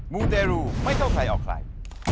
มูเตรูไม่เข้าใครออกใคร